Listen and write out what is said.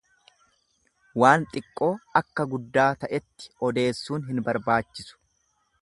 Waan xiqqoo akka guddaa ta'etti odeessuun hin barbaachisu.